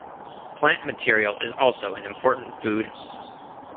Plant material is also an important food.